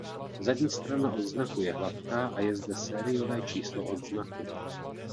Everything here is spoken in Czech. Zadní strana odznaku je hladká a je zde sériové číslo odznaku.